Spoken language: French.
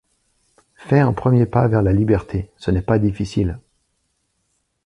Fais un premier pas vers la liberté, ce n'est pas difficile.